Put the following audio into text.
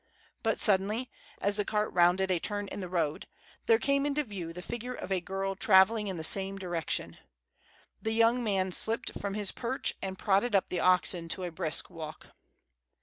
But suddenly, as the cart rounded a turn in the road, there came into view the figure of a girl travelling in the same direction. The young man slipped from his perch and prodded up the oxen to a brisk walk.